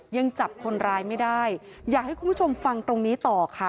ยังจับคนร้ายไม่ได้อยากให้คุณผู้ชมฟังตรงนี้ต่อค่ะ